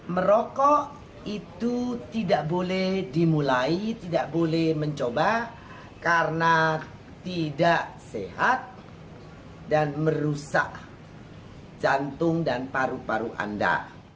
merokok itu tidak boleh dimulai tidak boleh mencoba karena tidak sehat dan merusak jantung dan paru paru anda